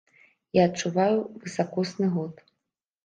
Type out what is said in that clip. Я адчуваю высакосны год.